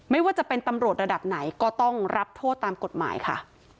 ไม่ว่าจะเป็นตำรวจระดับไหนก็ต้องรับโทษตามกฎหมายค่ะ